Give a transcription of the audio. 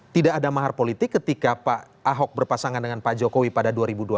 tidak ada mahar politik ketika pak ahok berpasangan dengan pak jokowi pada dua ribu dua puluh